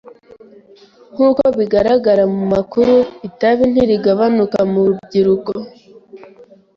Nkuko bigaragara mu makuru, itabi ntirigabanuka mu rubyiruko.